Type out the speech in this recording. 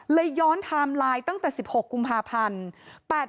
ย้อนไทม์ไลน์ตั้งแต่๑๖กุมภาพันธ์